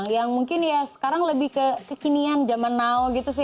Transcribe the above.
yang mungkin ya sekarang lebih ke kekinian zaman now gitu sih